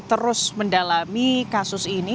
terus mendalami kasus ini